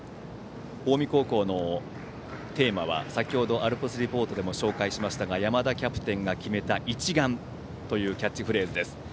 近江高校のテーマは先程、アルプスリポートでも紹介しましたが山田キャプテンが決めた「一丸」というキャッチフレーズです。